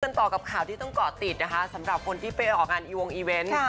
ต่อกับข่าวที่ต้องเกาะติดนะคะสำหรับคนที่ไปออกงานอีวงอีเวนต์